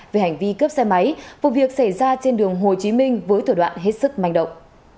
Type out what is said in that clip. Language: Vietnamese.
về hành vi cướp xe máy vụ việc xảy ra trên đường hồ chí minh với thủ đoạn hết sức manh động